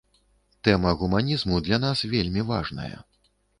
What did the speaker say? Тэма гуманізму для нас вельмі важная.